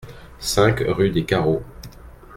cinq rue des Carreaux